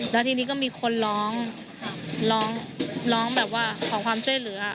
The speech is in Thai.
แล้วทีนี้ก็มีคนร้องร้องแบบว่าขอความช่วยเหลือ